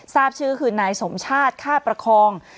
ทราบชื่อคือนายสมชาติฆ่าประคอง